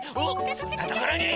そんなところに！